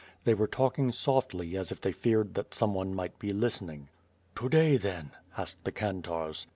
They were talking softly, as if they feared that someone might be listening. "To day, then?" asked the kantarz.